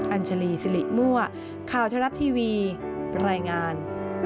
อัญจารีสิริมั่วค่าวเทศนัดทีวีบรรยายงาน